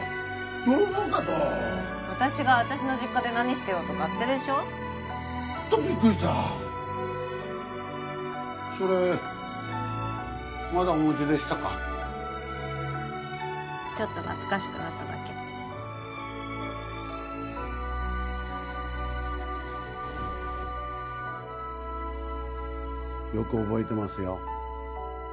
泥棒かと私が私の実家で何してようと勝手でしょホントびっくりしたそれまだお持ちでしたかちょっと懐かしくなっただけよく覚えてますよ